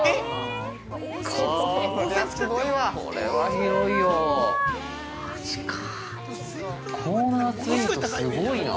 ◆これは広いよ。